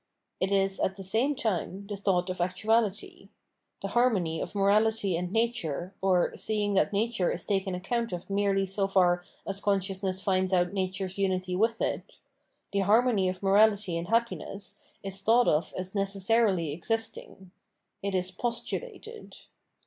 It is, at the same time, the thought of actuaUty. The harmony of morahty and nature, or — seeing that nature is taken account of merely so far as consciousness finds out nature^'s unity with it — ^the harmony of morality and happiness, is thought of as necessarily existing ; it is 'postvlated.